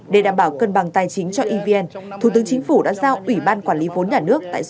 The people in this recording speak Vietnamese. để đảm bảo cân bằng tài chính cho evn thủ tướng chính phủ đã giao ủy ban quản lý vốn nhà nước